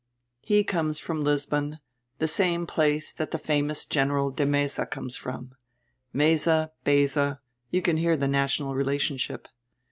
He comes from Lisbon, the same place that the famous general De Meza comes from. Meza, Beza; you can hear the national relationship.